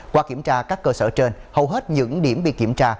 qua kiểm tra các cơ sở trên hầu hết những điểm bị kiểm tra